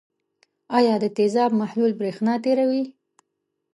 آیا د تیزاب محلول برېښنا تیروي؟